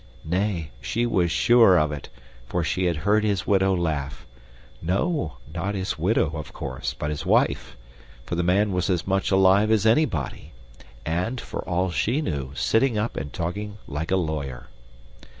Nay, she was SURE of it, for she had heard his widow laugh no, not his widow, of course, but his wife for the man was as much alive as anybody, and, for all she knew, sitting up and talking like a lawyer.